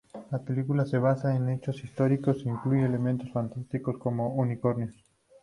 La película se basa en hechos históricos e incluye elementos fantásticos, como unicornios.